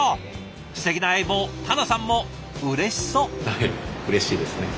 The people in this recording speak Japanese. すてきな相棒田名さんもうれしそう。